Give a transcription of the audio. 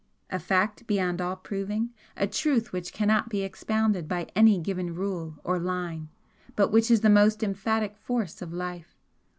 A fact beyond all proving a truth which cannot be expounded by any given rule or line but which is the most emphatic force of life!